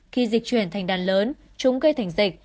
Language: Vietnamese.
khi dịch chuyển thành đàn lớn chúng gây thành dịch